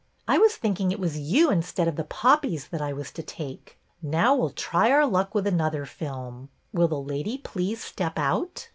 I was thinking it was you instead of the poppies that I was to take. Now we 'll try our luck with another film. Will the lady please step out?